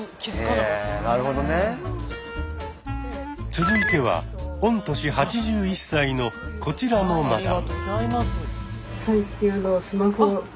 続いては御年８１歳のこちらのマダム。